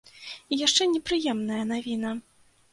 І яшчэ непрыемная навіна.